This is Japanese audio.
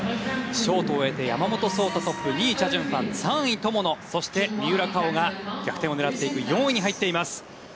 ショートを終えて山本草太トップ２位、チャ・ジュンファン３位、友野そして三浦佳生が逆転を狙っていく４位に入っています。